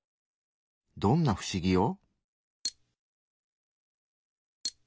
どんな不思議を？